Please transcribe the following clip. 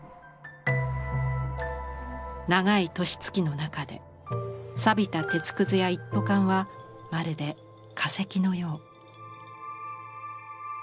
長い年月の中で錆びた鉄くずや一斗缶はまるで化石のよう。